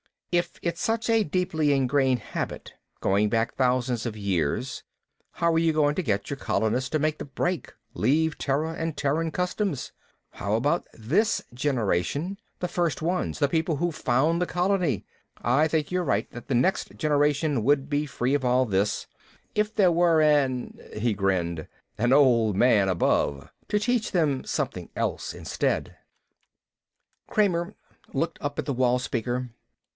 "If it's such a deeply ingrained habit, going back thousands of years, how are you going to get your colonists to make the break, leave Terra and Terran customs? How about this generation, the first ones, the people who found the colony? I think you're right that the next generation would be free of all this, if there were an " He grinned. " An Old Man Above to teach them something else instead." Kramer looked up at the wall speaker.